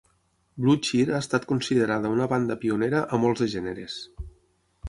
Blue Cheer ha estat considerada una banda pionera a molts de gèneres.